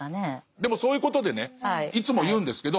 でもそういうことでねいつも言うんですけど。